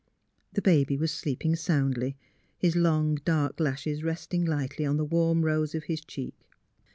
The baby was sleep ing soundly, his long dark lashes resting lightly on the warm rose of his cheek.